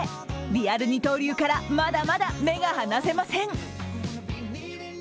リアル二刀流からまだまだ目が離せません。